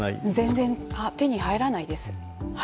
全然、手に入らないです。